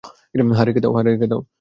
হ্যাঁ, রেখে দাও।